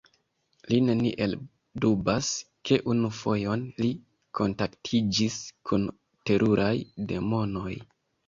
Li neniel dubas, ke unu fojon li kontaktiĝis kun teruraj demonoj.